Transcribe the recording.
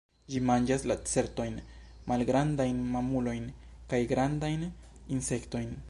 Ĝi manĝas lacertojn, malgrandajn mamulojn kaj grandajn insektojn.